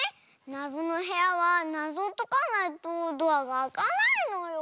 なぞのへやはなぞをとかないとドアがあかないのよ。